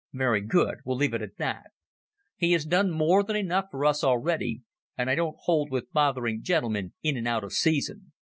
"Very good. We'll leave it at that. He has done more than enough for us already, and I don't hold with bothering gentlemen in and out of season.